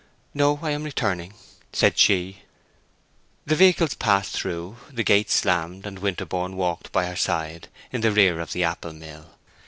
"No, I am returning," said she. The vehicles passed through, the gate slammed, and Winterborne walked by her side in the rear of the apple mill.